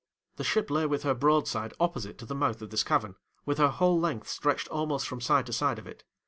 'The ship lay with her broadside opposite to the mouth of this cavern, with her whole length stretched almost from side to side of it.